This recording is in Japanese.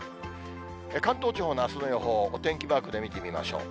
関東地方のあすの予報、お天気マークで見てみましょう。